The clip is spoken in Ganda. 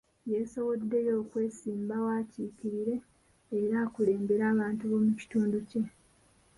Yeesowoddeyo okwesimbawo, akiikirire era akulembere abantu b'omu kitundu kye.